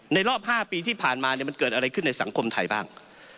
รอบ๕ปีที่ผ่านมามันเกิดอะไรขึ้นในสังคมไทยบ้าง